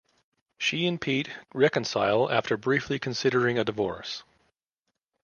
She and Pete reconcile after briefly considering a divorce.